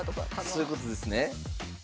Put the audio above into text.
そういうことですね。